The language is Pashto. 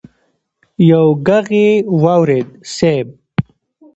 يو ږغ يې واورېد: صېب!